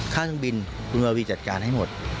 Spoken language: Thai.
เครื่องบินคุณวาวีจัดการให้หมด